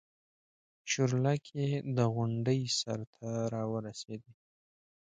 چورلکې د غونډۍ سر ته راورسېدې.